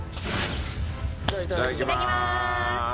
いただきまーす。